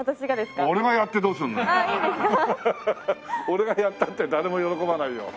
俺がやったって誰も喜ばないよ。